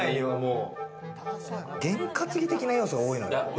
ゲン担ぎ的な要素が多いのよ。